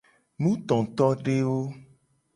Nutotodewo.